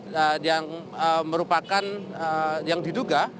yang merupakan yang diduga